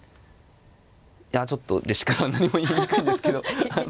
いやちょっと弟子からは何も言いにくいんですけど。